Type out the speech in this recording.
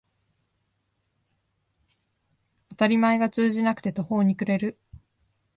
当たり前が通じなくて途方に暮れる